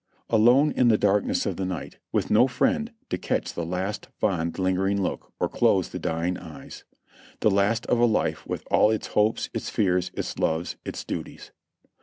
Alone in the darkness of the night, with no friend to catch the last fond, lingering look or close the dying eyes ; the last of a life with all its hopes, its fears, its loves, its duties.